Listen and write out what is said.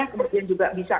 kemungkinan juga bisa